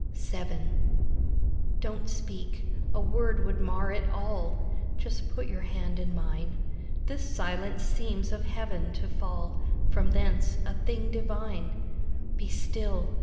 VII Don't speak! a word would mar it all, Just put your hand in mine. This silence seems of Heaven, to fall From thence, a thing Divine. Be still!